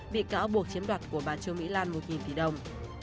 bị cáo buộc chiếm đoạt của bà trương mỹ lan một tỷ đồng